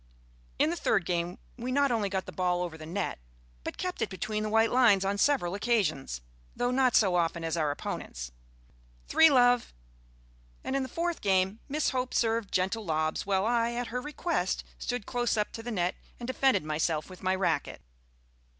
In the third game we not only got the ball over the net but kept it between the white lines on several occasions though not so often as our opponents (three, love); and in the fourth game Miss Hope served gentle lobs, while I, at her request, stood close up to the net and defended myself with my racquet.